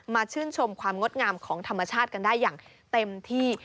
ชื่นชมความงดงามของธรรมชาติกันได้อย่างเต็มที่